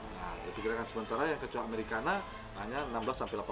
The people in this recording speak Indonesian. nah itu kira kira sementara yang kecoa amerikana hanya enam belas delapan belas butir telur